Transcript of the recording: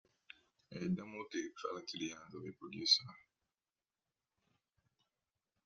A demo tape fell into the hands of a producer.